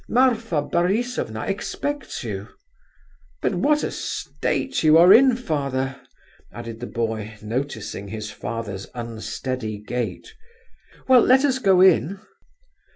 Marfa Borisovna expects you. But what a state you are in, father!" added the boy, noticing his father's unsteady gait. "Well, let us go in."